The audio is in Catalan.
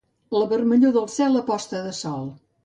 La vermellor del cel a posta de sol.